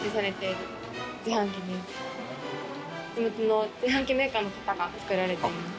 地元の自販機メーカーの方が作られています。